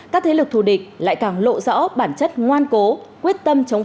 các thế lực thù địch lại càng lộ rõ bản chất ngoan cố quyết tâm chống phá